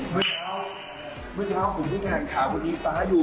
เมื่อเช้าผมเพิ่งอ่านคำว่าอิงฟ้าอยู่